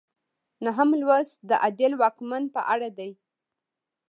نهم لوست د عادل واکمن په اړه دی.